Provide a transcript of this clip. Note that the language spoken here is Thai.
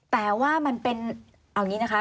แต่ว่ามันเป็นเอาอย่างนี้นะคะ